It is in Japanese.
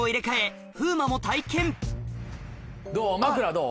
どう？